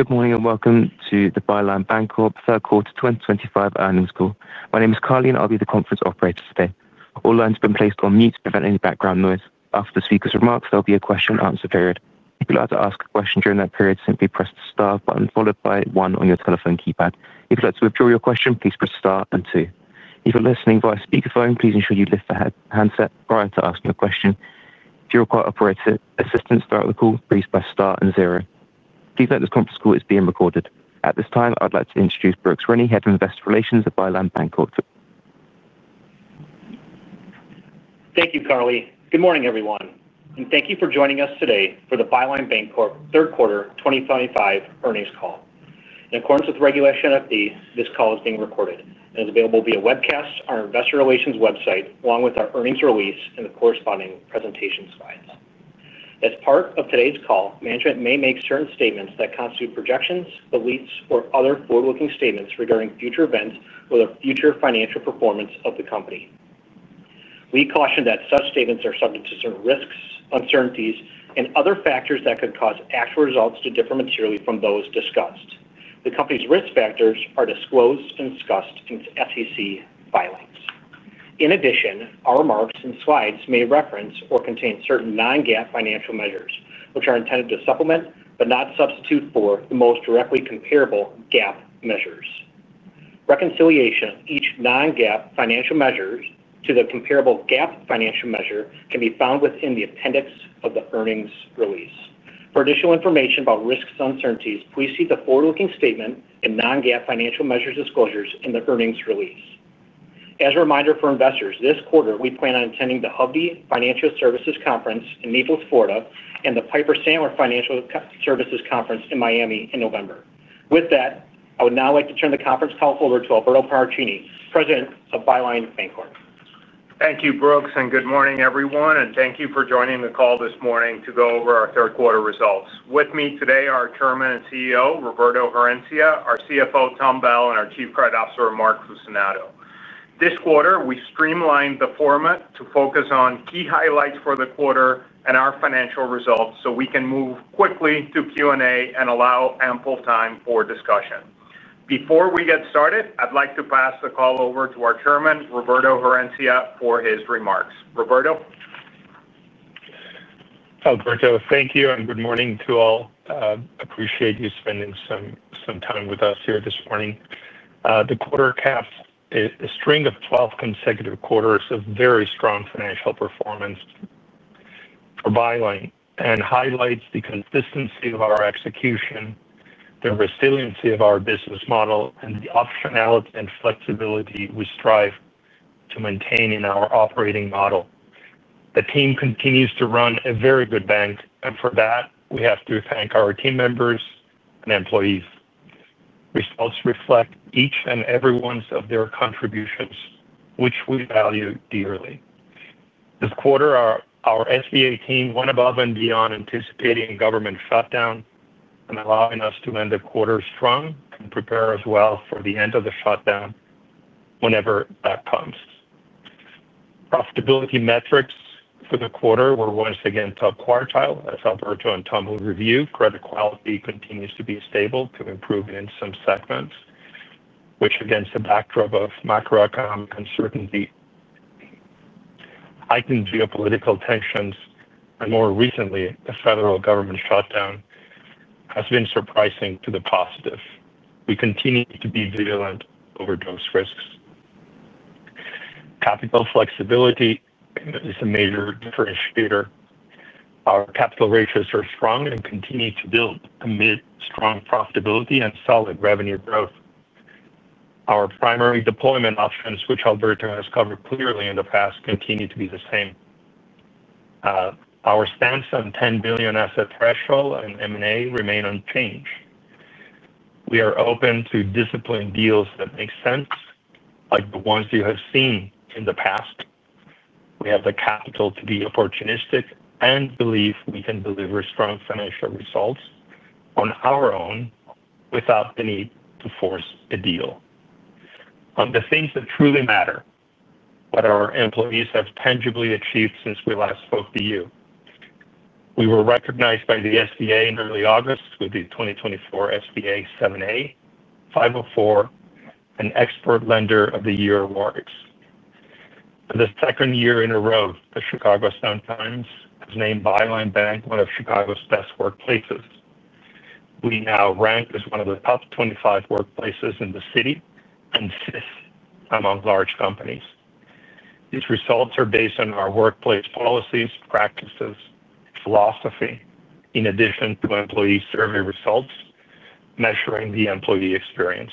Good morning and welcome to the Byline Bancorp third quarter 2025 earnings call. My name is Carly and I'll be the conference operator today. All lines have been placed on mute to prevent any background noise. After the speaker's remarks, there'll be a question and answer period. If you'd like to ask a question during that period, simply press the star button followed by one on your telephone keypad. If you'd like to withdraw your question, please press star and two. If you're listening via speakerphone, please ensure you lift the handset prior to asking your question. If you require operator assistance throughout the call, please press star and zero. Please note this conference call is being recorded. At this time, I'd like to introduce Brooks Rennie, Head of Investor Relations at Byline Bancorp. Thank you, Carly. Good morning, everyone, and thank you for joining us today for the Byline Bancorp third quarter 2025 earnings call. In accordance with Regulation FD, this call is being recorded and is available via webcast on our investor relations website, along with our earnings release and the corresponding presentation slides. As part of today's call, management may make certain statements that constitute projections, beliefs, or other forward-looking statements regarding future events or the future financial performance of the company. We caution that such statements are subject to certain risks, uncertainties, and other factors that could cause actual results to differ materially from those discussed. The company's risk factors are disclosed and discussed in its SEC filings. In addition, our remarks and slides may reference or contain certain non-GAAP financial measures, which are intended to supplement but not substitute for the most directly comparable GAAP measures. Reconciliation of each non-GAAP financial measure to the comparable GAAP financial measure can be found within the appendix of the earnings release. For additional information about risks and uncertainties, please see the forward-looking statement and non-GAAP financial measures disclosures in the earnings release. As a reminder for investors, this quarter we plan on attending the Hovde Financial Services Conference in Naples, Florida, and the Piper Sandler Financial Services Conference in Miami in November. With that, I would now like to turn the conference call over to Alberto Paracchini, President of Byline Bancorp. Thank you, Brooks, and good morning, everyone, and thank you for joining the call this morning to go over our third quarter results. With me today are our Chairman and CEO, Roberto Herencia, our CFO, Tom Bell, and our Chief Credit Officer, Mark Fucinato. This quarter, we streamlined the format to focus on key highlights for the quarter and our financial results so we can move quickly to Q&A and allow ample time for discussion. Before we get started, I'd like to pass the call over to our Chairman, Roberto Herencia, for his remarks. Roberto? Thank you and good morning to all. I appreciate you spending some time with us here this morning. The quarter caps a string of 12 consecutive quarters of very strong financial performance for Byline and highlights the consistency of our execution, the resiliency of our business model, and the optionality and flexibility we strive to maintain in our operating model. The team continues to run a very good bank, and for that, we have to thank our team members and employees. Results reflect each and every one of their contributions, which we value dearly. This quarter, our SBA lending team went above and beyond anticipating government shutdown and allowing us to end the quarter strong and prepare as well for the end of the shutdown whenever that comes. Profitability metrics for the quarter were once again top quartile, as Alberto and Tom will review. Credit quality continues to be stable to improvement in some segments, which against the backdrop of macroeconomic uncertainty, heightened geopolitical tensions, and more recently, the federal government shutdown has been surprising to the positive. We continue to be vigilant over those risks. Capital flexibility is a major differentiator. Our capital ratios are strong and continue to build amid strong profitability and solid revenue growth. Our primary deployment options, which Alberto has covered clearly in the past, continue to be the same. Our stance on $10 billion asset threshold and M&A remain unchanged. We are open to disciplined deals that make sense, like the ones you have seen in the past. We have the capital to be opportunistic and believe we can deliver strong financial results on our own without the need to force a deal. On the things that truly matter, what our employees have tangibly achieved since we last spoke to you, we were recognized by the SBA in early August with the 2024 SBA 7A, 504, and Expert Lender of the Year awards. For the second year in a row, the Chicago Sun-Times has named Byline Bank one of Chicago's best workplaces. We now rank as one of the top 25 workplaces in the city and fifth among large companies. These results are based on our workplace policies, practices, and philosophy, in addition to employee survey results measuring the employee experience.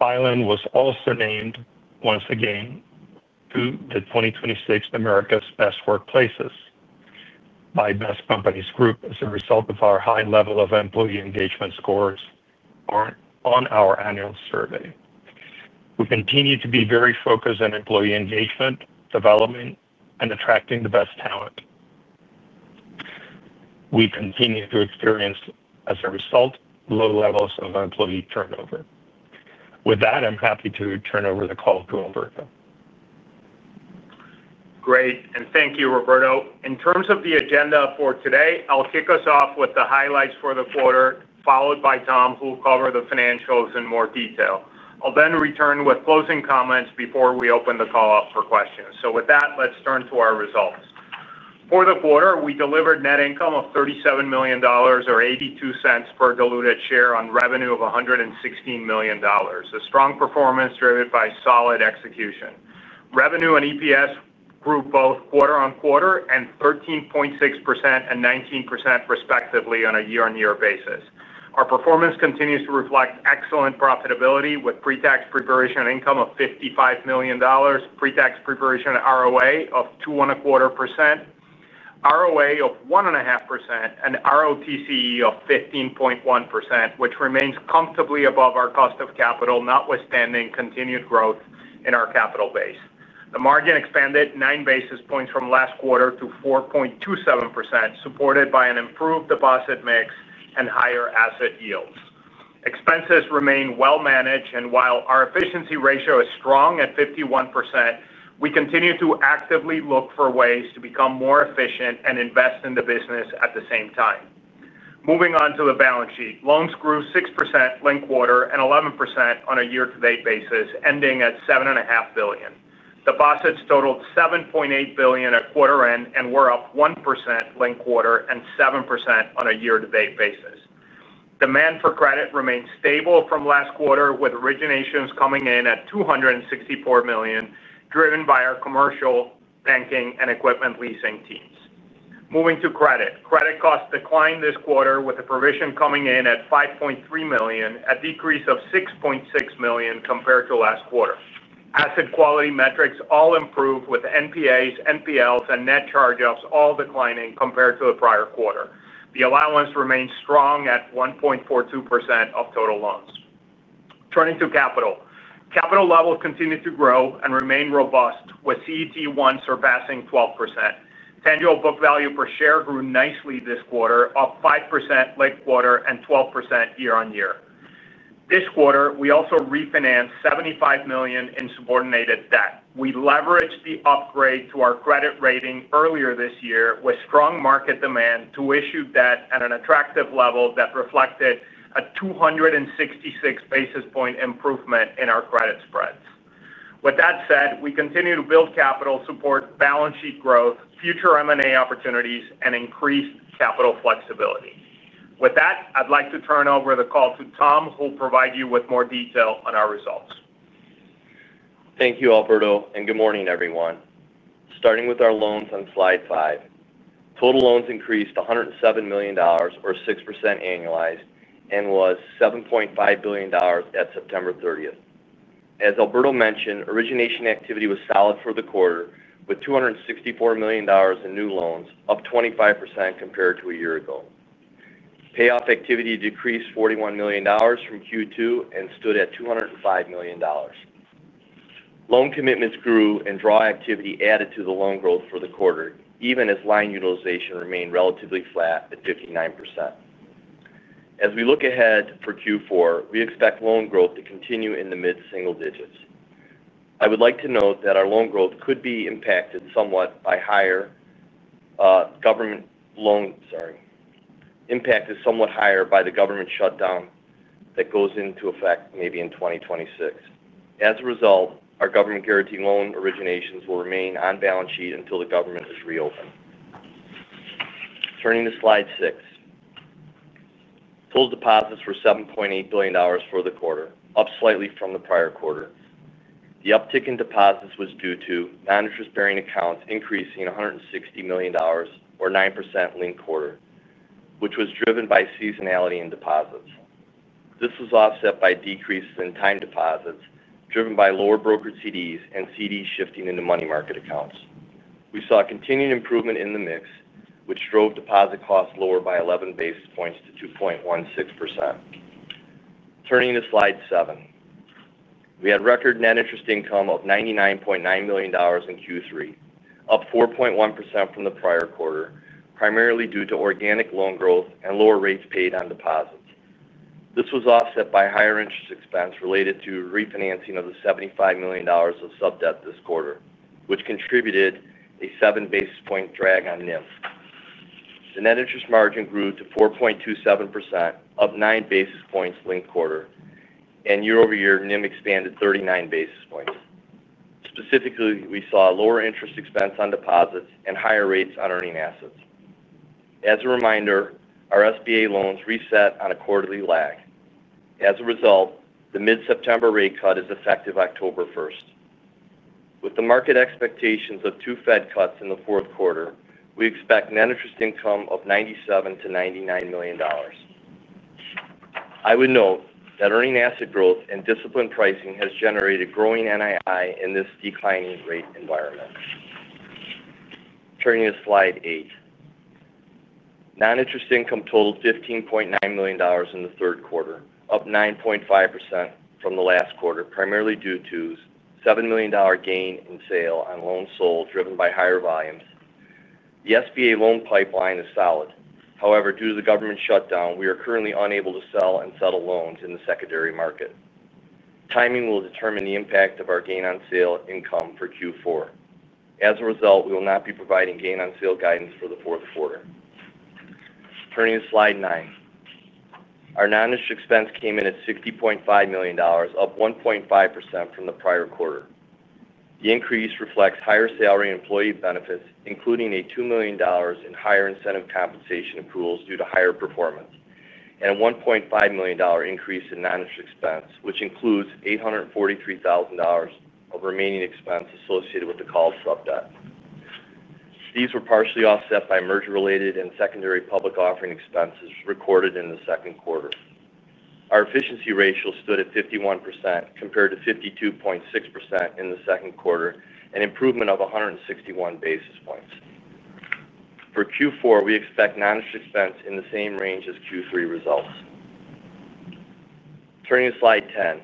Byline was also named once again to the 2026 America's Best Workplaces by Best Companies Group as a result of our high level of employee engagement scores on our annual survey. We continue to be very focused on employee engagement, development, and attracting the best talent. We continue to experience, as a result, low levels of employee turnover. With that, I'm happy to turn over the call to Alberto. Great. Thank you, Roberto. In terms of the agenda for today, I'll kick us off with the highlights for the quarter, followed by Tom, who will cover the financials in more detail. I'll then return with closing comments before we open the call up for questions. With that, let's turn to our results. For the quarter, we delivered net income of $37 million or $0.82 per diluted share on revenue of $116 million. A strong performance driven by solid execution. Revenue and EPS grew both quarter-on-quarter and 13.6% and 19% respectively on a year-on-year basis. Our performance continues to reflect excellent profitability with pre-tax, pre-provision income of $55 million, pre-tax, pre-provision ROA of 2.25%, ROA of 1.5%, and ROTC of 15.1%, which remains comfortably above our cost of capital, notwithstanding continued growth in our capital base. The margin expanded 9 basis points from last quarter to 4.27%, supported by an improved deposit mix and higher asset yields. Expenses remain well managed, and while our efficiency ratio is strong at 51%, we continue to actively look for ways to become more efficient and invest in the business at the same time. Moving on to the balance sheet, loans grew 6% linked quarter and 11% on a year-to-date basis, ending at $7.5 billion. Deposits totaled $7.8 billion at quarter end and were up 1% linked quarter and 7% on a year-to-date basis. Demand for credit remains stable from last quarter, with originations coming in at $264 million, driven by our commercial banking and equipment leasing teams. Moving to credit, credit costs declined this quarter with a provision coming in at $5.3 million, a decrease of $6.6 million compared to last quarter. Asset quality metrics all improved with NPAs, NPLs, and net charge-offs all declining compared to the prior quarter. The allowance remains strong at 1.42% of total loans. Turning to capital, capital levels continue to grow and remain robust, with CET1 surpassing 12%. Tangible book value per share grew nicely this quarter, up 5% linked quarter and 12% year-on-year. This quarter, we also refinanced $75 million in subordinated debt. We leveraged the upgrade to our credit rating earlier this year, with strong market demand to issue debt at an attractive level that reflected a 266 basis point improvement in our credit spreads. With that said, we continue to build capital, support balance sheet growth, future M&A opportunities, and increased capital flexibility. With that, I'd like to turn over the call to Tom, who will provide you with more detail on our results. Thank you, Alberto, and good morning, everyone. Starting with our loans on slide five, total loans increased to $107 million or 6% annualized and was $7.5 billion at September 30. As Alberto mentioned, origination activity was solid for the quarter, with $264 million in new loans, up 25% compared to a year ago. Payoff activity decreased $41 million from Q2 and stood at $205 million. Loan commitments grew and draw activity added to the loan growth for the quarter, even as line utilization remained relatively flat at 59%. As we look ahead for Q4, we expect loan growth to continue in the mid-single digits. I would like to note that our loan growth could be impacted somewhat by higher government loan, sorry, impacted somewhat higher by the government shutdown that goes into effect maybe in 2026. As a result, our government-guaranteed loan originations will remain on balance sheet until the government is reopened. Turning to slide six, total deposits were $7.8 billion for the quarter, up slightly from the prior quarter. The uptick in deposits was due to non-interest-bearing accounts increasing $160 million or 9% linked quarter, which was driven by seasonality in deposits. This was offset by decreases in time deposits driven by lower brokered CDs and CDs shifting into money market accounts. We saw continued improvement in the mix, which drove deposit costs lower by 11 basis points to 2.16%. Turning to slide seven, we had record net interest income of $99.9 million in Q3, up 4.1% from the prior quarter, primarily due to organic loan growth and lower rates paid on deposits. This was offset by higher interest expense related to refinancing of the $75 million of subordinated debt this quarter, which contributed a seven-basis point drag on net interest margin. The net interest margin grew to 4.27%, up nine basis points linked quarter, and year-over-year, net interest margin expanded 39 basis points. Specifically, we saw a lower interest expense on deposits and higher rates on earning assets. As a reminder, our SBA lending team loans reset on a quarterly lag. As a result, the mid-September rate cut is effective October 1st. With the market expectations of two Fed cuts in the fourth quarter, we expect net interest income of $97 million-$99 million. I would note that earning asset growth and disciplined pricing has generated growing net interest income in this declining rate environment. Turning to slide eight, non-interest income totaled $15.9 million in the third quarter, up 9.5% from the last quarter, primarily due to a $7 million gain on sale of loans sold, driven by higher volumes. The SBA loan pipeline is solid. However, due to the government shutdown, we are currently unable to sell and settle loans in the secondary market. Timing will determine the impact of our gain on sale income for Q4. As a result, we will not be providing gain on sale guidance for the fourth quarter. Turning to slide nine, our non-interest expense came in at $60.5 million, up 1.5% from the prior quarter. The increase reflects higher salary and employee benefits, including $2 million in higher incentive compensation accruals due to higher performance, and a $1.5 million increase in non-interest expense, which includes $843,000 of remaining expense associated with the called sub-debt. These were partially offset by merger-related and secondary public offering expenses recorded in the second quarter. Our efficiency ratio stood at 51% compared to 52.6% in the second quarter, an improvement of 161 basis points. For Q4, we expect non-interest expense in the same range as Q3 results. Turning to slide 10,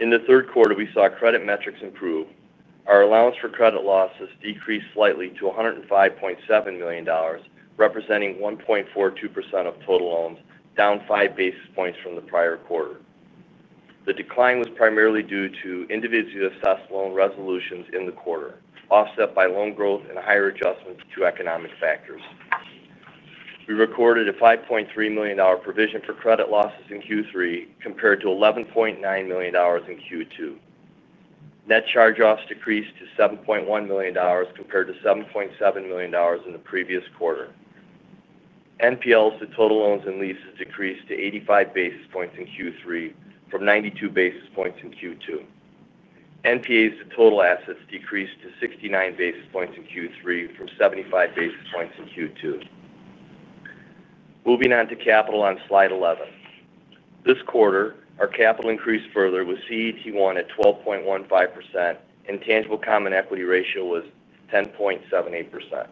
in the third quarter, we saw credit metrics improve. Our allowance for credit losses decreased slightly to $105.7 million, representing 1.42% of total loans, down five basis points from the prior quarter. The decline was primarily due to individually assessed loan resolutions in the quarter, offset by loan growth and higher adjustments to economic factors. We recorded a $5.3 million provision for credit losses in Q3 compared to $11.9 million in Q2. Net charge-offs decreased to $7.1 million compared to $7.7 million in the previous quarter. Non-performing loans to total loans and leases decreased to 85 basis points in Q3 from 92 basis points in Q2. Non-performing assets to total assets decreased to 69 basis points in Q3 from 75 basis points in Q2. Moving on to capital on slide 11, this quarter, our capital increased further with CET1 at 12.15% and tangible common equity ratio was 10.78%.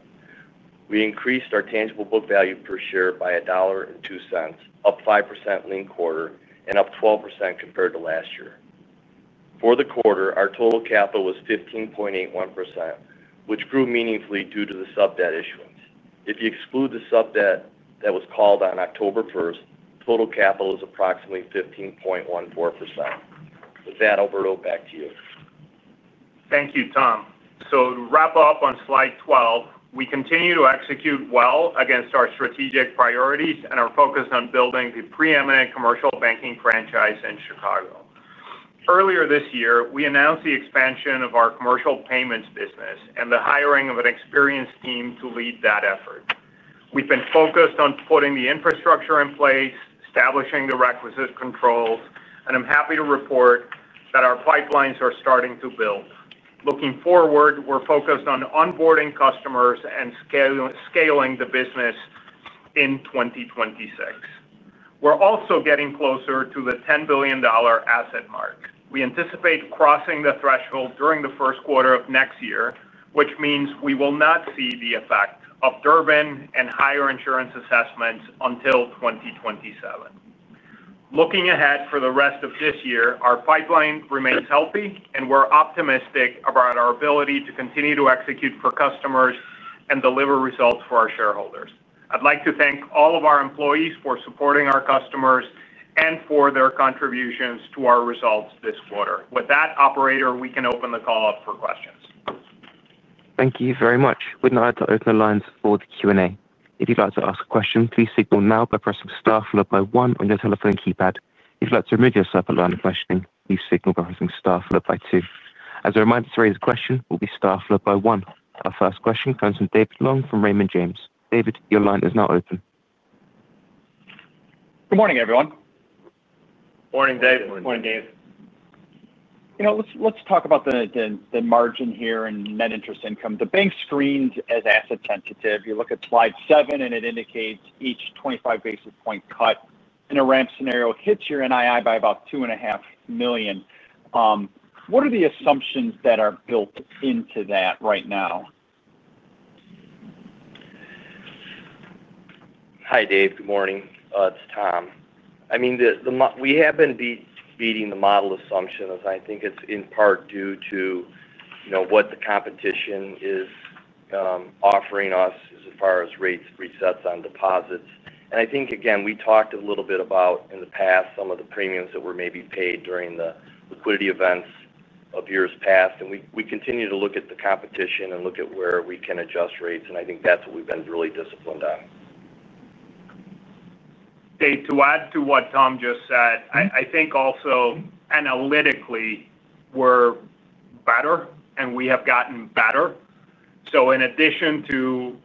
We increased our tangible book value per share by $1.02, up 5% linked quarter and up 12% compared to last year. For the quarter, our total capital was 15.81%, which grew meaningfully due to the sub-debt issuance. If you exclude the sub-debt that was called on October 1, total capital is approximately 15.14%. With that, Alberto, back to you. Thank you, Tom. To wrap up on slide 12, we continue to execute well against our strategic priorities and are focused on building the preeminent commercial banking franchise in Chicago. Earlier this year, we announced the expansion of our commercial payments business and the hiring of an experienced team to lead that effort. We've been focused on putting the infrastructure in place, establishing the requisite controls, and I'm happy to report that our pipelines are starting to build. Looking forward, we're focused on onboarding customers and scaling the business in 2026. We're also getting closer to the $10 billion asset mark. We anticipate crossing the threshold during the first quarter of next year, which means we will not see the effect of Durbin and higher insurance assessments until 2027. Looking ahead for the rest of this year, our pipeline remains healthy and we're optimistic about our ability to continue to execute for customers and deliver results for our shareholders. I'd like to thank all of our employees for supporting our customers and for their contributions to our results this quarter. With that, operator, we can open the call up for questions. Thank you very much. We'd now like to open the lines for the Q&A. If you'd like to ask a question, please signal now by pressing star followed by one on your telephone keypad. If you'd like to remove yourself from the line of questioning, please signal by pressing star followed by two. As a reminder, to raise a question will be star followed by one. Our first question comes from David Long from Raymond James. David, your line is now open. Good morning, everyone. Morning, David. Morning, James. Let's talk about the margin here and net interest income. The bank screened as asset sensitive. You look at slide seven and it indicates each 25 basis point cut. In a ramp scenario, it hits your NII by about $2.5 million. What are the assumptions that are built into that right now? Hi, David. Good morning. It's Tom. We have been beating the model assumptions. I think it's in part due to what the competition is offering us as far as rate resets on deposits. I think, again, we talked a little bit about in the past some of the premiums that were maybe paid during the liquidity events of years past, and we continue to look at the competition and look at where we can adjust rates. I think that's what we've been really disciplined on. Dave, to add to what Tom just said, I think also analytically we're better and we have gotten better. In addition to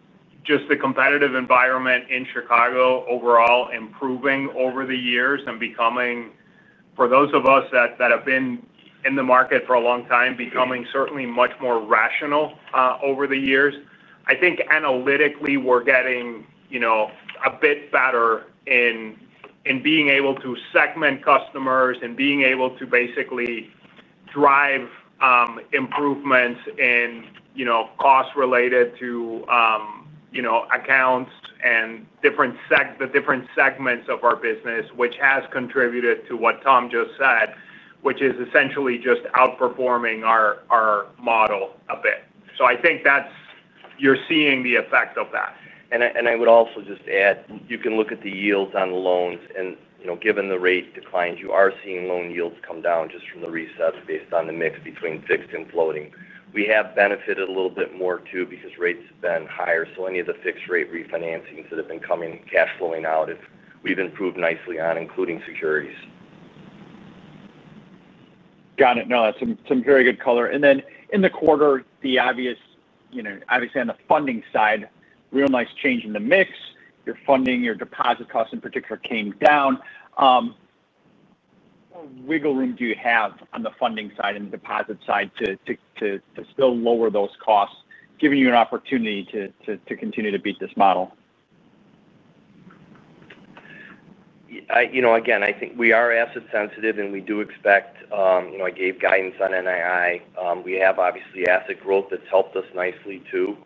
just the competitive environment in Chicago overall improving over the years and becoming, for those of us that have been in the market for a long time, certainly much more rational over the years, I think analytically we're getting a bit better in being able to segment customers and being able to basically drive improvements in costs related to accounts and the different segments of our business, which has contributed to what Tom just said, which is essentially just outperforming our model a bit. I think that's you're seeing the effect of that. You can look at the yields on loans and, you know, given the rate declines, you are seeing loan yields come down just from the resets based on the mix between fixed and floating. We have benefited a little bit more too because rates have been higher. Any of the fixed rate refinancings that have been coming cash flowing out, we've improved nicely on, including securities. Got it. That's some very good color. In the quarter, obviously on the funding side, we realized change in the mix. Your funding, your deposit costs in particular came down. What wiggle room do you have on the funding side and the deposit side to still lower those costs, giving you an opportunity to continue to beat this model? I think we are asset sensitive and we do expect, you know, I gave guidance on NII. We have obviously asset growth that's helped us nicely too.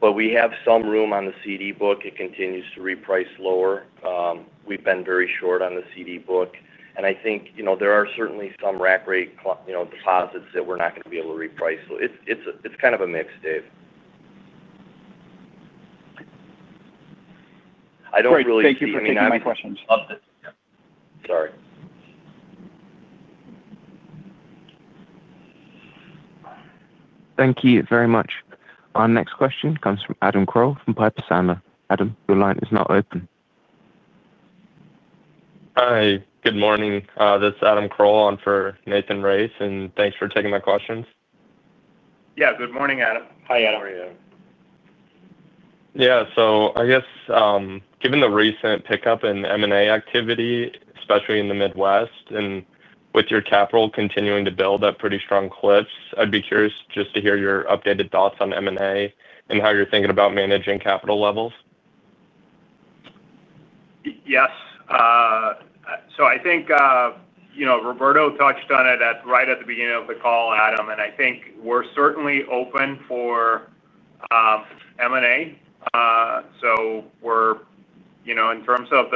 We have some room on the CD book. It continues to reprice lower. We've been very short on the CD book. I think there are certainly some rack rate deposits that we're not going to be able to reprice. It's kind of a mix, Dave. I don't really see anything on my questions. Thank you. I love this. Sorry. Thank you very much. Our next question comes from Adam Kroll from Piper Sandler. Adam, your line is now open. Hi. Good morning. This is Adam Kroll on for Nathan Race, and thanks for taking my questions. Yeah, good morning, Adam. Hi, Adam. How are you? Given the recent pick up in M&A activity, especially in the Midwest, and with your capital continuing to buliding up strong cliffs, I'd be curious just to hear your updated thoughts on M&A and how you're thinking about managing capital levels, given the recent pickup in M&A activity, especially in the Midwest and with your capital continuing to build at pretty strong clips. Yes. I think Roberto touched on it right at the beginning of the call, Adam, and I think we're certainly open for M&A. In terms of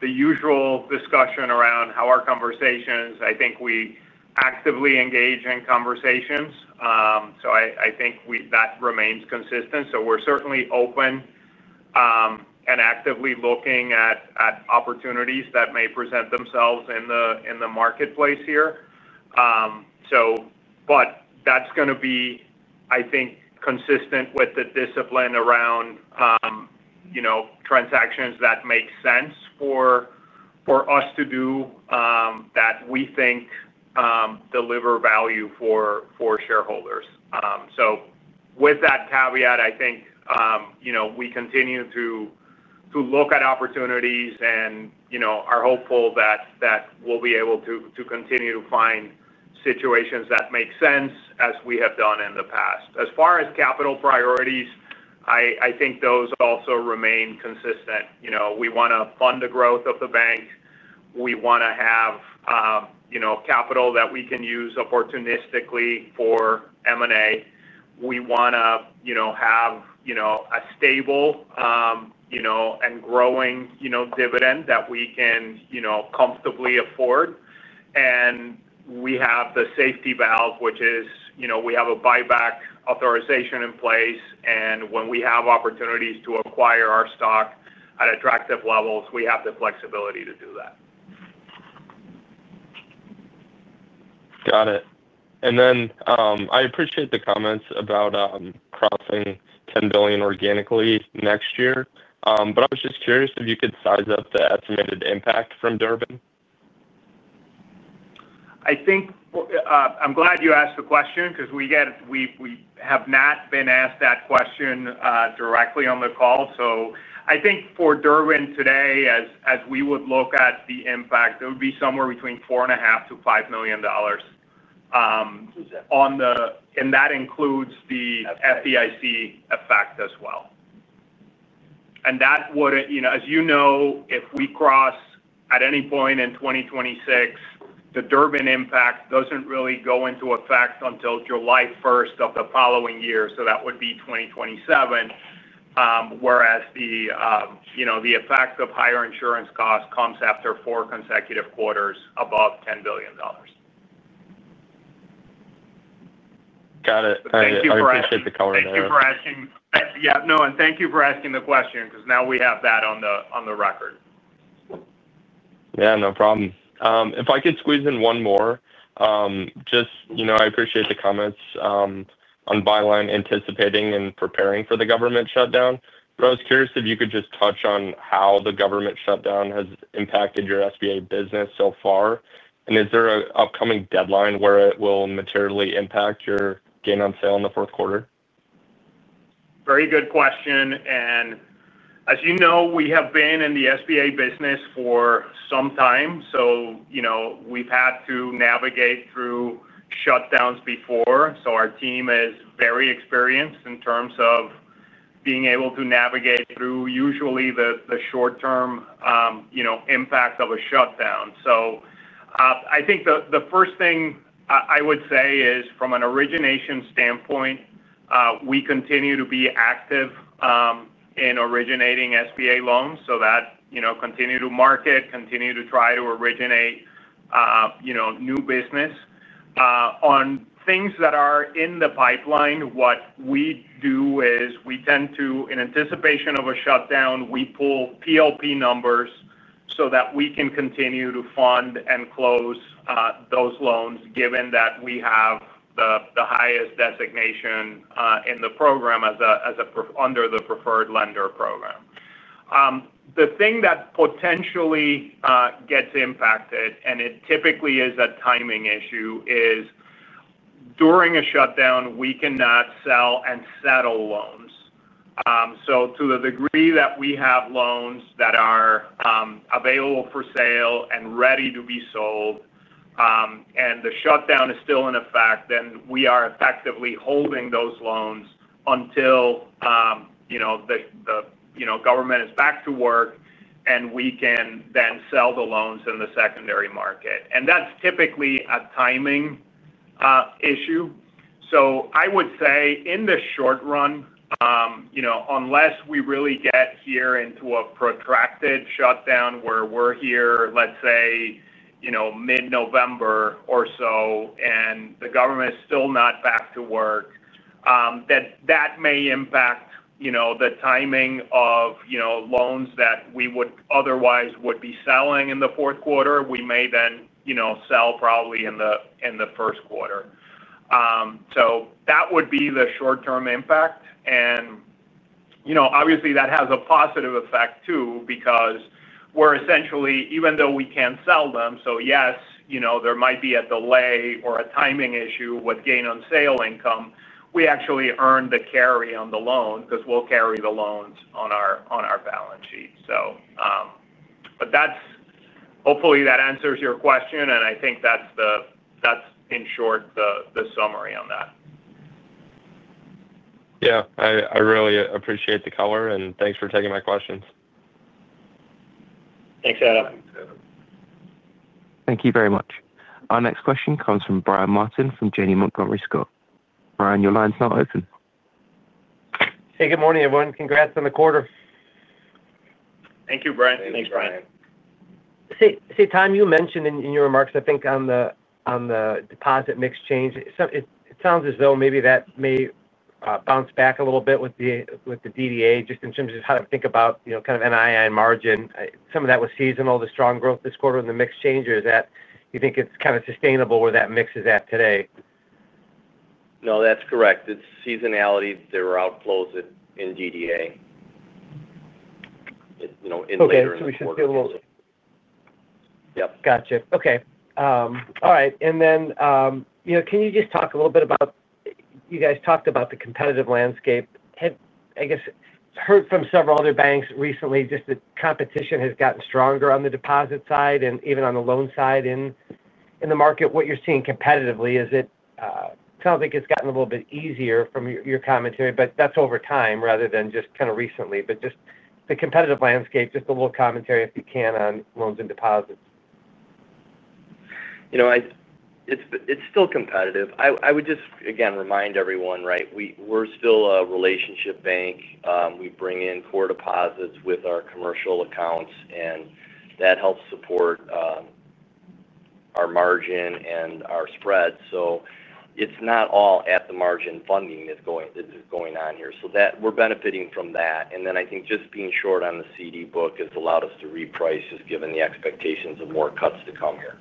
the usual discussion around how our conversations, I think we actively engage in conversations. I think that remains consistent. We're certainly open and actively looking at opportunities that may present themselves in the marketplace here. That is going to be consistent with the discipline around transactions that make sense for us to do that we think deliver value for shareholders. With that caveat, I think we continue to look at opportunities and are hopeful that we'll be able to continue to find situations that make sense as we have done in the past. As far as capital priorities, I think those also remain consistent. We want to fund the growth of the bank. We want to have capital that we can use opportunistically for M&A. We want to have a stable and growing dividend that we can comfortably afford. We have the safety valve, which is we have a buyback authorization in place. When we have opportunities to acquire our stock at attractive levels, we have the flexibility to do that. Got it. I appreciate the comments about crossing $10 billion organically next year, but I was just curious if you could size up the estimated impact from the Durbin? I think I'm glad you asked the question because we have not been asked that question directly on the call. I think for Durbin today, as we would look at the impact, it would be somewhere between $4.5 million-$5 million, and that includes the FDIC effect as well. That would, you know, as you know, if we cross at any point in 2026, the Durbin impact doesn't really go into effect until July 1st of the following year. That would be 2027, whereas the effect of higher insurance costs comes after four consecutive quarters above $10 billion. Got it. Thank you for asking. I appreciate the color there. Thank you for asking. Thank you for asking the question because now we have that on the record. Yeah, no problem. If I could squeeze in one more, I appreciate the comments on Byline anticipating and preparing for the government shutdown. I was curious if you could just touch on how the government shutdown has impacted your SBA business so far. Is there an upcoming deadline where it will materially impact your gain on sale in the fourth quarter? Very good question. As you know, we have been in the SBA business for some time. We have had to navigate through shutdowns before. Our team is very experienced in terms of being able to navigate through usually the short-term impact of a shutdown. I think the first thing I would say is from an origination standpoint, we continue to be active in originating SBA loans, continue to market, continue to try to originate new business. On things that are in the pipeline, what we do is we tend to, in anticipation of a shutdown, pull PLP numbers so that we can continue to fund and close those loans given that we have the highest designation in the program under the Preferred Lender Program. The thing that potentially gets impacted, and it typically is a timing issue, is during a shutdown, we cannot sell and settle loans. To the degree that we have loans that are available for sale and ready to be sold, and the shutdown is still in effect, then we are effectively holding those loans until the government is back to work and we can then sell the loans in the secondary market. That is typically a timing issue. I would say in the short run, unless we really get here into a protracted shutdown where we are here, let's say, mid-November or so, and the government is still not back to work, that may impact the timing of loans that we would otherwise be selling in the fourth quarter. We may then sell probably in the first quarter. That would be the short-term impact. Obviously, that has a positive effect too because even though we cannot sell them, so yes, there might be a delay or a timing issue with gain on sale income, we actually earn the carry on the loan because we will carry the loans on our balance sheet. Hopefully that answers your question, and I think that is, in short, the summary on that. Yeah, I really appreciate the color, and thanks for taking my questions. Thanks, Adam. Thank you very much. Our next question comes from Brian Martin from Janney Montgomery Scott. Brian, your line's now open. Hey, good morning, everyone. Congrats on the quarter. Thank you, Brian. Thanks, Brian. Tom, you mentioned in your remarks, I think on the deposit mix change, it sounds as though maybe that may bounce back a little bit with the DDA just in terms of how to think about, you know, kind of NII margin. Some of that was seasonal, the strong growth this quarter in the mix change, or is that you think it's kind of sustainable where that mix is at today? No, that's correct. It's seasonality. There were outflows in DDA. Okay, we should see a little... Yep. Gotcha. Okay. All right. Can you just talk a little bit about, you guys talked about the competitive landscape. I guess I've heard from several other banks recently, the competition has gotten stronger on the deposit side and even on the loan side in the market. What you're seeing competitively is it sounds like it's gotten a little bit easier from your commentary, but that's over time rather than just kind of recently. Just the competitive landscape, just a little commentary if you can on loans and deposits. You know, it's still competitive. I would just, again, remind everyone, right, we're still a relationship bank. We bring in core deposits with our commercial accounts, and that helps support our margin and our spread. It's not all at the margin funding that's going on here. We're benefiting from that. I think just being short on the CD book has allowed us to reprice just given the expectations of more cuts to come here.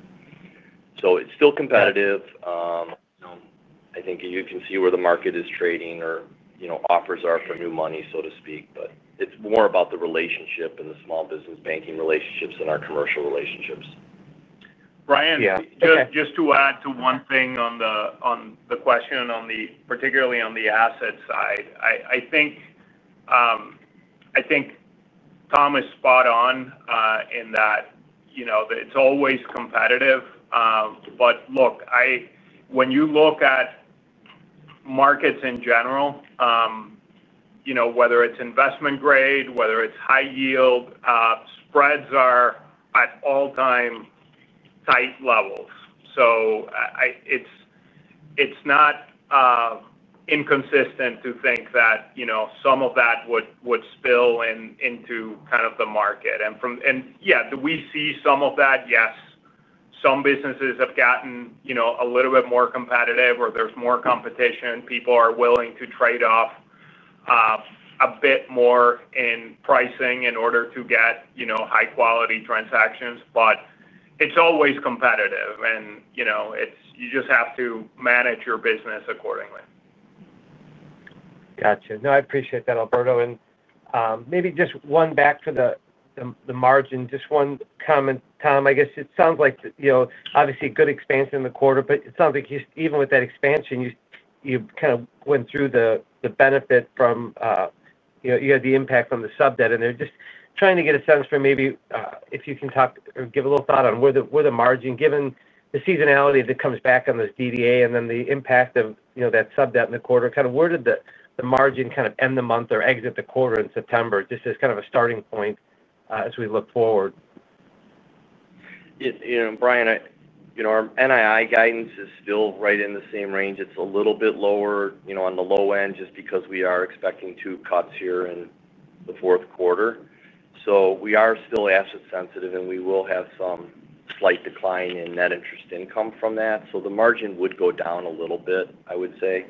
It's still competitive. I think you can see where the market is trading or, you know, offers are for new money, so to speak. It's more about the relationship and the small business banking relationships and our commercial relationships. Brian, just to add to one thing on the question, particularly on the asset side, I think Tom is spot on in that it's always competitive. When you look at markets in general, whether it's investment grade or high yield, spreads are at all-time tight levels. It's not inconsistent to think that some of that would spill into the market. We see some of that, yes. Some businesses have gotten a little bit more competitive or there's more competition. People are willing to trade off a bit more in pricing in order to get high-quality transactions. It's always competitive, and you just have to manage your business accordingly. Gotcha. No, I appreciate that, Alberto. Maybe just one back to the margin, just one comment, Tom. I guess it sounds like, obviously a good expansion in the quarter, but it sounds like even with that expansion, you kind of went through the benefit from, you had the impact from the sub-debt. I'm just trying to get a sense for maybe if you can talk or give a little thought on where the margin, given the seasonality that comes back on this DDA and then the impact of that sub-debt in the quarter, where did the margin end the month or exit the quarter in September, just as a starting point as we look forward? Brian, our NII guidance is still right in the same range. It's a little bit lower on the low end just because we are expecting two cuts here in the fourth quarter. We are still asset-sensitive and we will have some slight decline in net interest income from that. The margin would go down a little bit, I would say,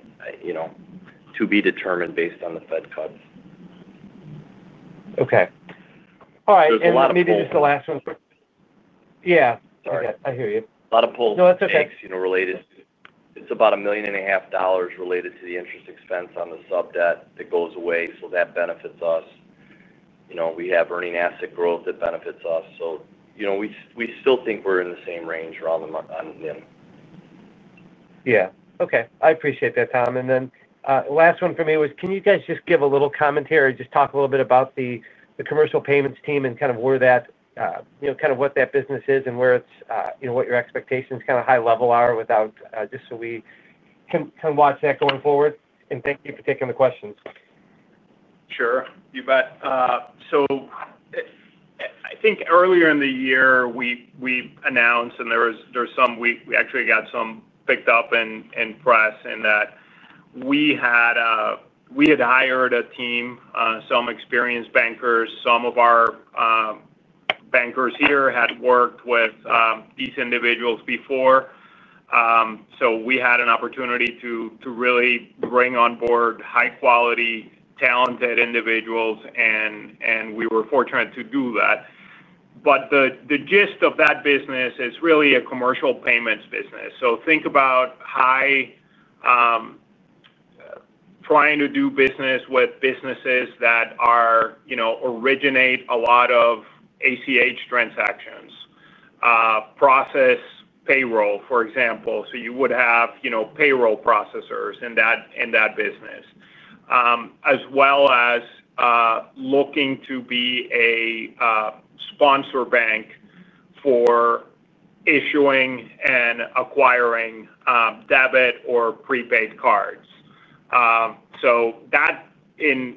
to be determined based on the Fed cuts. All right. Maybe just the last one. Sorry. I hear you. A lot of pull. No, that's okay. It's about $1.5 million related to the interest expense on the subordinated debt that goes away. That benefits us. We have earning asset growth that benefits us. We still think we're in the same range around the margin. Yeah. Okay. I appreciate that, Tom. The last one for me was, can you guys just give a little commentary or just talk a little bit about the commercial payments team and kind of where that, you know, kind of what that business is and where it's, you know, what your expectations kind of high level are, just so we can watch that going forward? Thank you for taking the questions. Sure. You bet. I think earlier in the year, we announced, and there was some, we actually got some picked up in press in that we had hired a team, some experienced bankers. Some of our bankers here had worked with these individuals before. We had an opportunity to really bring on board high-quality, talented individuals, and we were fortunate to do that. The gist of that business is really a commercial payments business. Think about trying to do business with businesses that originate a lot of ACH transactions, process payroll, for example. You would have payroll processors in that business, as well as looking to be a sponsor bank for issuing and acquiring debit or prepaid cards.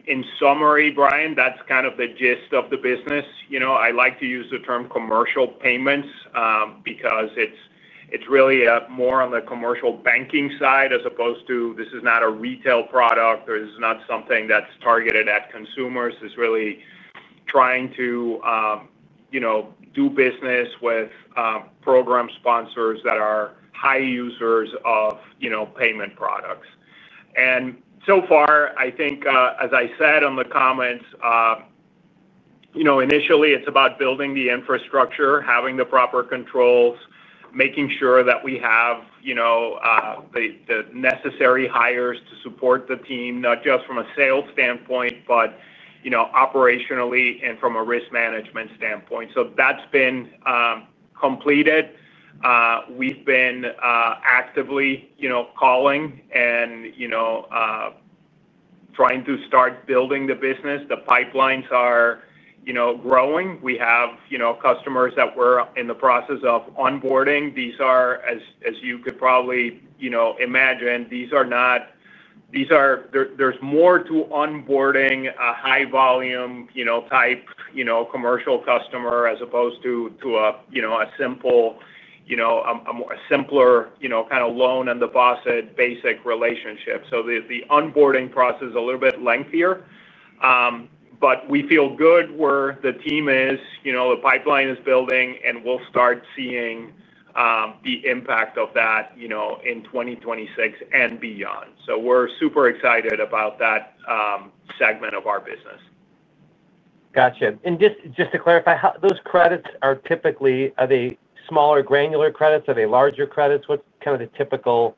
In summary, Brian, that's kind of the gist of the business. I like to use the term commercial payments because it's really more on the commercial banking side as opposed to this is not a retail product or this is not something that's targeted at consumers. It's really trying to do business with program sponsors that are high users of payment products. As I said on the comments, initially, it's about building the infrastructure, having the proper controls, making sure that we have the necessary hires to support the team, not just from a sales standpoint, but operationally and from a risk management standpoint. That's been completed. We've been actively calling and trying to start building the business. The pipelines are growing. We have customers that we're in the process of onboarding. As you could probably imagine, these are not, there's more to onboarding a high-volume type commercial customer as opposed to a simpler kind of loan and deposit basic relationship. The onboarding process is a little bit lengthier. We feel good where the team is, the pipeline is building, and we'll start seeing the impact of that in 2026 and beyond. We're super excited about that segment of our business. Gotcha. Just to clarify, those credits are typically, are they smaller granular credits? Are they larger credits? What's kind of the typical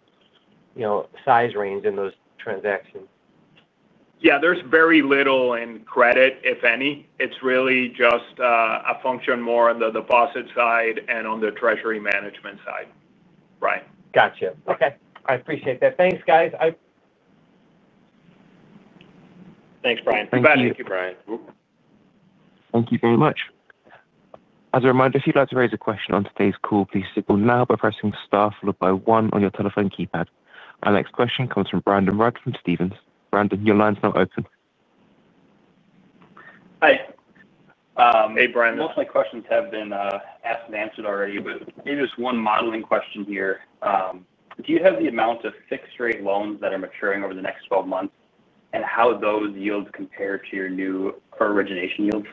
size range in those transactions? Yeah, there's very little in credit, if any. It's really just a function more on the deposit side and on the treasury management side, Brian. Gotcha. Okay. I appreciate that. Thanks, guys. Thanks, Brian. Thanks, Brian. Thank you very much. As a reminder, if you'd like to raise a question on today's call, please signal now by pressing star followed by one on your telephone keypad. Our next question comes from Brandon Rud from Stephens. Brandon, your line's now open. Hi. Hey, Brandon. Most of my questions have been asked and answered already, but maybe just one modeling question here. Do you have the amount of fixed-rate loans that are maturing over the next 12 months and how those yields compare to your new origination yields?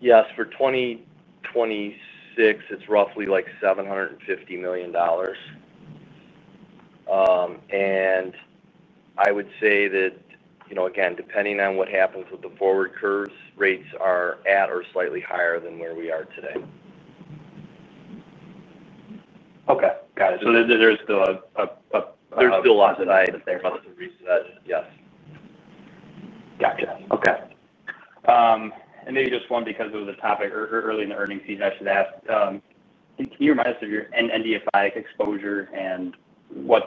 Yes. For 2026, it's roughly like $750 million. I would say that, you know, again, depending on what happens with the forward curves, rates are at or slightly higher than where we are today. Okay. Got it. There's still a lot of. There's still a lot of reset, yes. Gotcha. Okay. Maybe just one because of the topic early in the earnings season, I should ask, can you remind us of your NDFI exposure and what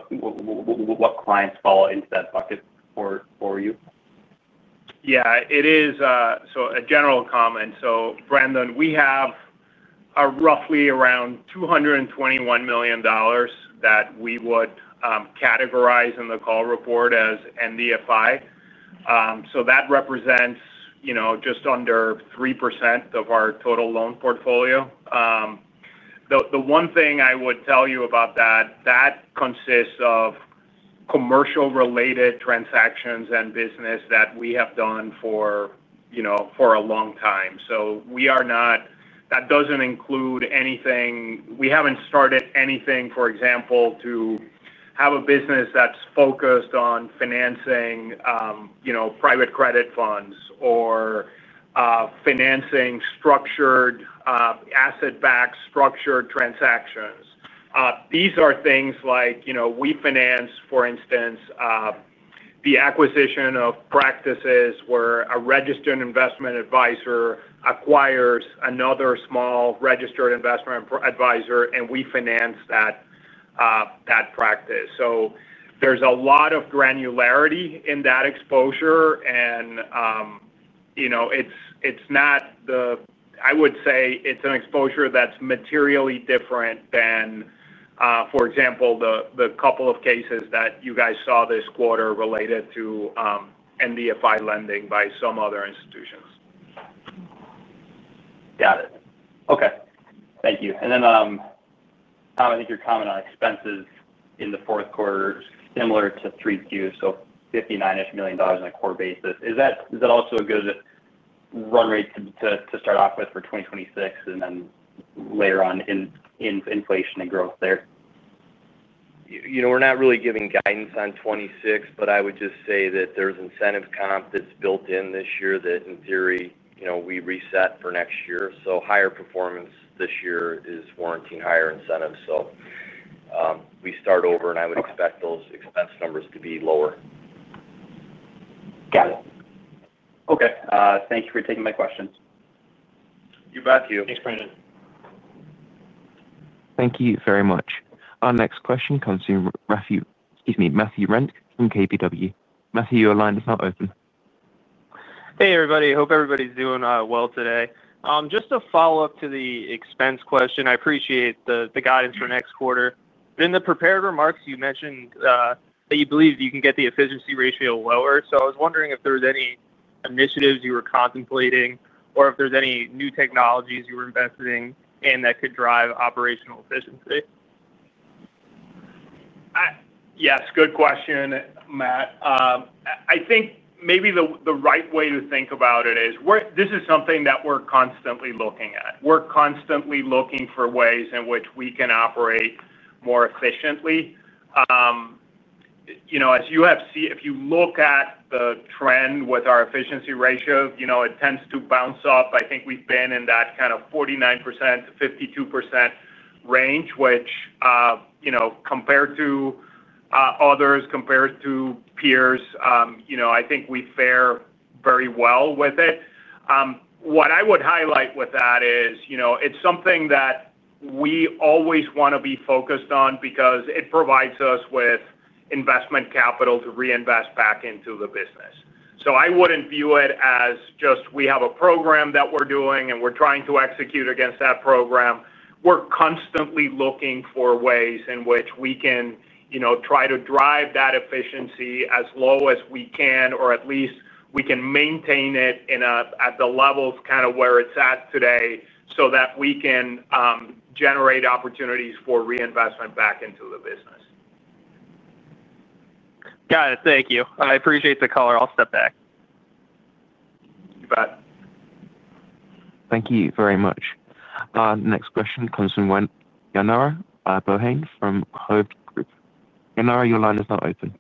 clients fall into that bucket for you? Yeah. It is, so a general comment. Brandon, we have roughly around $221 million that we would categorize in the call report as NDFI. That represents just under 3% of our total loan portfolio. The one thing I would tell you about that, that consists of commercial-related transactions and business that we have done for a long time. We are not, that doesn't include anything. We haven't started anything, for example, to have a business that's focused on financing private credit funds or financing structured asset-backed structured transactions. These are things like, we finance, for instance, the acquisition of practices where a registered investment advisor acquires another small registered investment advisor, and we finance that practice. There's a lot of granularity in that exposure, and it's not the, I would say it's an exposure that's materially different than, for example, the couple of cases that you guys saw this quarter related to NDFI lending by some other institutions. Got it. Okay. Thank you. Tom, I think your comment on expenses in the fourth quarter is similar to 3Q, so $59 million on a core basis. Is that also a good run rate to start off with for 2026 and then later on in inflation and growth there? We're not really giving guidance on 2026, but I would just say that there's incentive comp that's built in this year that in theory, we reset for next year. Higher performance this year is warranting higher incentives. We start over, and I would expect those expense numbers to be lower. Got it. Okay. Thank you for taking my questions. You bet. Thank you. Thanks, Brandon. Thank you very much. Our next question comes from Matthew Renck from KBW. Matthew, your line is now open. Hey, everybody. Hope everybody's doing well today. Just a follow-up to the expense question. I appreciate the guidance for next quarter. In the prepared remarks, you mentioned that you believe you can get the efficiency ratio lower. I was wondering if there's any initiatives you were contemplating or if there's any new technologies you were investing in that could drive operational efficiency? Yes. Good question, Matt. I think maybe the right way to think about it is this is something that we're constantly looking at. We're constantly looking for ways in which we can operate more efficiently. As you have seen, if you look at the trend with our efficiency ratio, it tends to bounce up. I think we've been in that kind of 49%-52% range, which, compared to others, compared to peers, I think we fare very well with it. What I would highlight with that is it's something that we always want to be focused on because it provides us with investment capital to reinvest back into the business. I wouldn't view it as just we have a program that we're doing and we're trying to execute against that program. We're constantly looking for ways in which we can try to drive that efficiency as low as we can, or at least we can maintain it at the levels kind of where it's at today so that we can generate opportunities for reinvestment back into the business. Got it. Thank you. I appreciate the color. I'll step back. You bet. Thank you very much. Next question comes from Ana Casanueva from Hovde Group. Ana, your line is now open.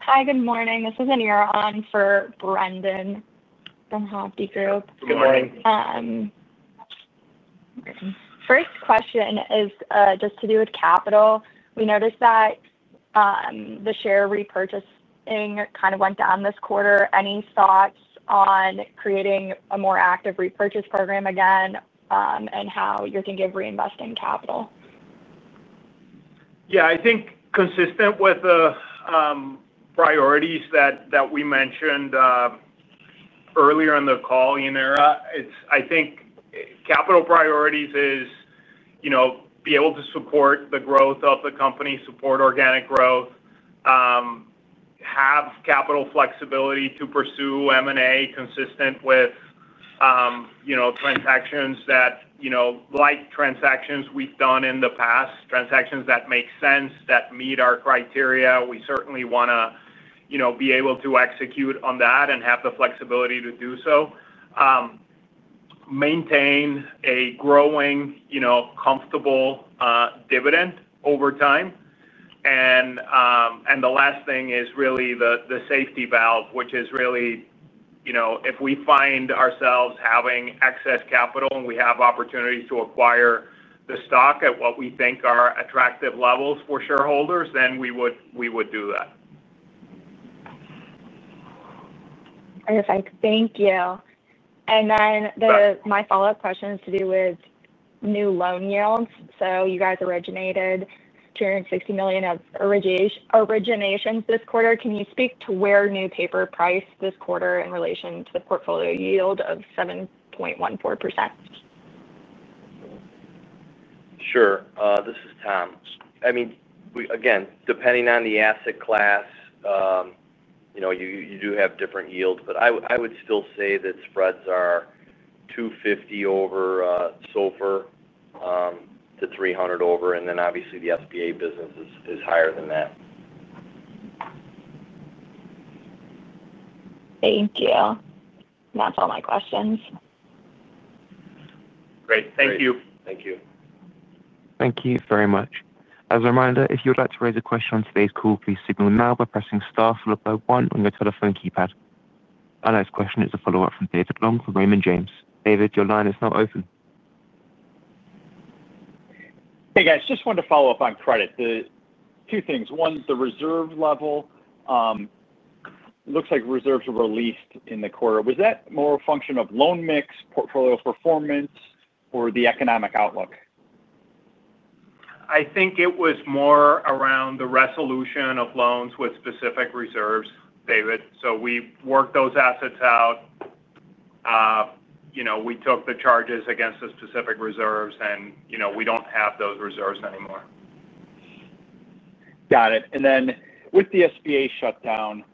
Hi, good morning. This is Ana on for Brandon from Hovde Group. Good morning. First question is just to do with capital. We noticed that the share repurchase kind of went down this quarter. Any thoughts on creating a more active repurchase program again, and how you're thinking of reinvesting capital? Yeah, I think consistent with the priorities that we mentioned earlier in the call, Aniron. I think capital priorities is, you know, be able to support the growth of the company, support organic growth, have capital flexibility to pursue M&A consistent with, you know, transactions that, you know, like transactions we've done in the past, transactions that make sense, that meet our criteria. We certainly want to, you know, be able to execute on that and have the flexibility to do so. Maintain a growing, you know, comfortable dividend over time. The last thing is really the safety valve, which is really, you know, if we find ourselves having excess capital and we have opportunities to acquire the stock at what we think are attractive levels for shareholders, then we would do that. Perfect. Thank you. My follow-up question is to do with new loan yields. You guys originated $260 million of originations this quarter. Can you speak to where new paper priced this quarter in relation to the portfolio yield of 7.14%? Sure. This is Tom. I mean, again, depending on the asset class, you know, you do have different yields, but I would still say that spreads are 250 over SOFR to 300 over, and then obviously the SBA business is higher than that. Thank you. That's all my questions. Great. Thank you. Thank you. Thank you very much. As a reminder, if you'd like to raise a question on today's call, please signal now by pressing star followed by one on your telephone keypad. Our next question is a follow-up from David Long from Raymond James. David, your line is now open. Hey, guys. Just wanted to follow up on credit. Two things. One, the reserve level, it looks like reserves were released in the quarter. Was that more a function of loan mix, portfolio performance, or the economic outlook? I think it was more around the resolution of loans with specific reserves, David. We worked those assets out. We took the charges against the specific reserves, and we don't have those reserves anymore. Got it. With the SBA shutdown,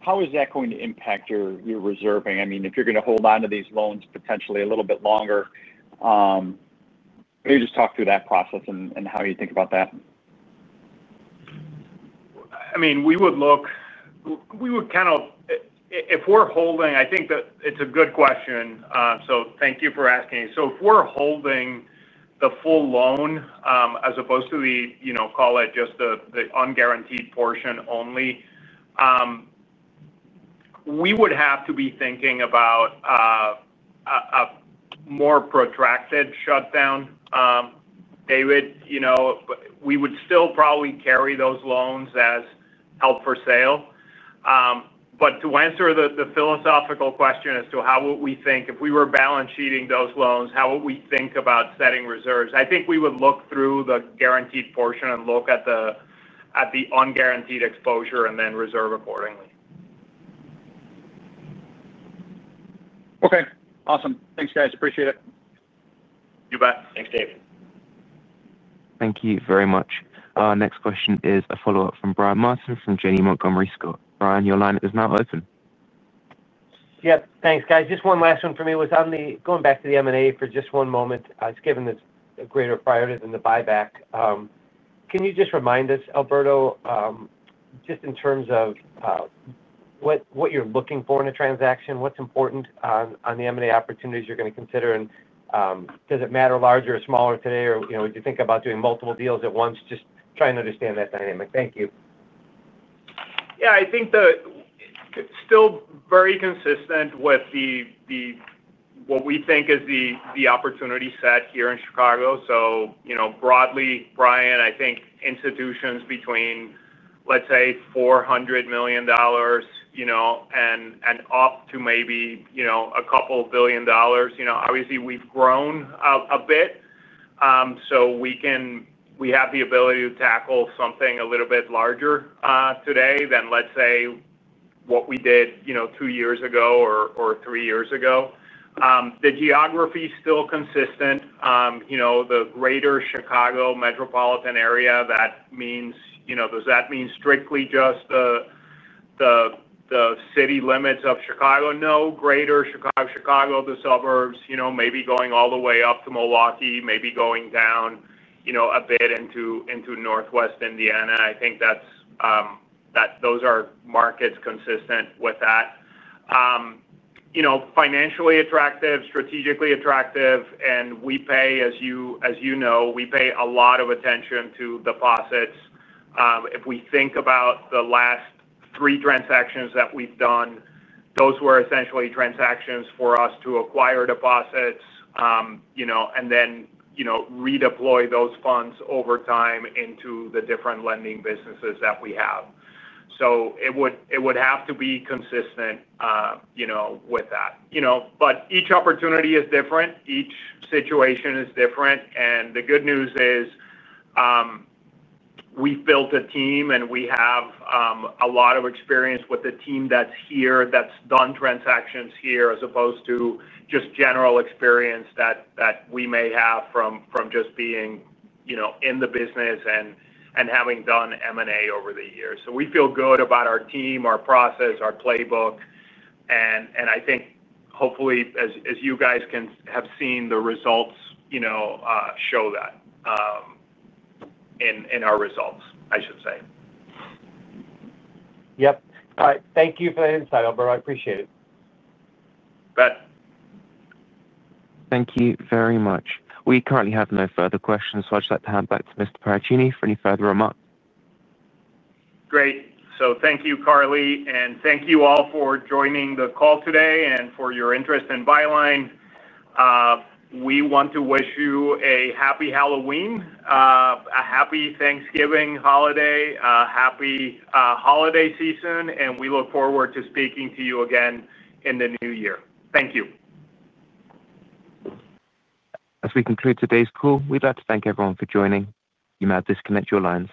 how is that going to impact your reserving? If you're going to hold on to these loans potentially a little bit longer, maybe just talk through that process and how you think about that. I mean, we would look, we would kind of, if we're holding, I think that it's a good question. Thank you for asking me. If we're holding the full loan as opposed to the, you know, call it just the unguaranteed portion only, we would have to be thinking about a more protracted shutdown, David. We would still probably carry those loans as held for sale. To answer the philosophical question as to how would we think if we were balance sheeting those loans, how would we think about setting reserves, I think we would look through the guaranteed portion and look at the unguaranteed exposure and then reserve accordingly. Okay. Awesome. Thanks, guys. Appreciate it. You bet. Thanks, Dave. Thank you very much. Our next question is a follow-up from Brian Martin from Janney Montgomery Scott. Brian, your line is now open. Yep. Thanks, guys. Just one last one for me was on the going back to the M&A for just one moment. It's given a greater priority than the buyback. Can you just remind us, Alberto, just in terms of what you're looking for in a transaction, what's important on the M&A opportunities you're going to consider, and does it matter larger or smaller today, or you know, would you think about doing multiple deals at once? Just trying to understand that dynamic. Thank you. Yeah, I think that it's still very consistent with what we think is the opportunity set here in Chicago. Broadly, Brian, I think institutions between, let's say, $400 million and up to maybe a couple of billion dollars. Obviously, we've grown a bit, so we have the ability to tackle something a little bit larger today than, let's say, what we did two years ago or three years ago. The geography is still consistent. The greater Chicago metropolitan area, that means, does that mean strictly just the city limits of Chicago? No, greater Chicago, Chicago, the suburbs, maybe going all the way up to Milwaukee, maybe going down a bit into Northwest Indiana. I think those are markets consistent with that. Financially attractive, strategically attractive, and we pay, as you know, we pay a lot of attention to deposits. If we think about the last three transactions that we've done, those were essentially transactions for us to acquire deposits and then redeploy those funds over time into the different lending businesses that we have. It would have to be consistent with that. Each opportunity is different. Each situation is different. The good news is, we've built a team and we have a lot of experience with the team that's here that's done transactions here as opposed to just general experience that we may have from just being in the business and having done M&A over the years. We feel good about our team, our process, our playbook. I think hopefully, as you guys can have seen, the results show that in our results, I should say. All right. Thank you for that insight, Alberto. I appreciate it. Bet. Thank you very much. We currently have no further questions, so I'd just like to hand back to Mr. Paracchini for any further remarks. Thank you, Carly, and thank you all for joining the call today and for your interest in Byline. We want to wish you a happy Halloween, a happy Thanksgiving holiday, a happy holiday season, and we look forward to speaking to you again in the new year. Thank you. As we conclude today's call, we'd like to thank everyone for joining. You may disconnect your lines.